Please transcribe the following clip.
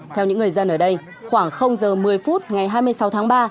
theo những người dân ở đây khoảng giờ một mươi phút ngày hai mươi sáu tháng ba